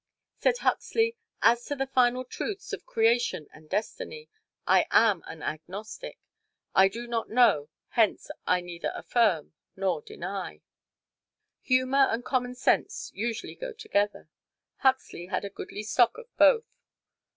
Said Huxley: "As to the final truths of Creation and Destiny, I am an agnostic. I do not know, hence I neither affirm nor deny." Humor and commonsense usually go together. Huxley had a goodly stock of both.